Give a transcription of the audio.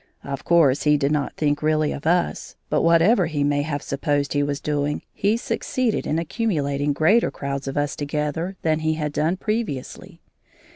Of course, he did not think really of us, but whatever he may have supposed he was doing, he succeeded in accumulating greater crowds of us together than he had done previously.